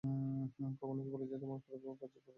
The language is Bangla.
কখনো কি বলেছি তুমিই পরবর্তী জিএম হবে?